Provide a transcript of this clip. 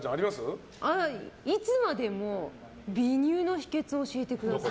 いつまでも美乳の秘訣教えてください。